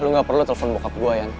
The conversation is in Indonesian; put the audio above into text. lu gak perlu telepon bokap gue kan